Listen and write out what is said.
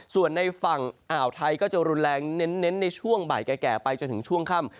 ส่วนในฝั่งอ่าวไทยก็จะรุนแรงเน้นในช่วงบ่ายแก่ไปจนถึงช่วงค่ำ